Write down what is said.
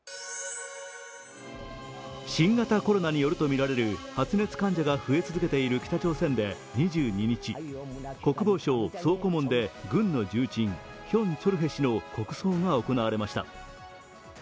新型コロナによるとみられる発熱患者が増え続けている北朝鮮で２２日、国防省総顧問で軍の重鎮、ヒョン・チョルヘ氏の国葬が行われました。